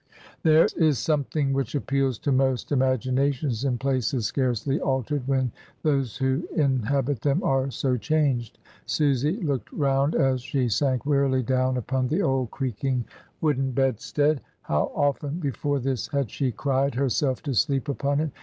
There is something which appeals to most imagina tions in places scarcely altered, when those who in habit them are so changed. Susy looked round as she sank wearily down upon the old creaking wooden 176 MRS. DYMOND. bedstead. How often before this had she cried herself to sleep upon it.